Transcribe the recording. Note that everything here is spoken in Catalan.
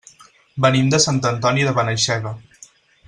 Venim de Sant Antoni de Benaixeve.